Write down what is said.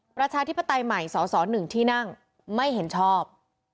ประชาธิปไตยใหม่สส๑ที่นั่งไม่เห็นชอบ